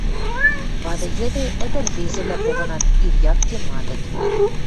Вады йӹде ӹдӹр-ӹрвезӹвлӓ погынат, ир якте мадыт.